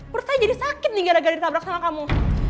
perut saya jadi sakit nih gara gara ditabrak sama kamu